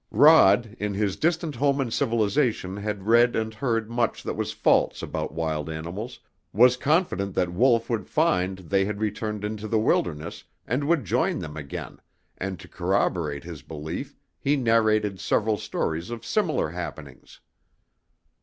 Rod, in his distant home in civilization had read and heard much that was false about wild animals, was confident that Wolf would find they had returned into the wilderness and would join them again, and to corroborate his belief he narrated several stories of similar happenings.